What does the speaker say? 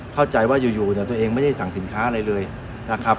เข้าใจว่าอยู่เนี่ยตัวเองไม่ได้สั่งสินค้าอะไรเลยนะครับ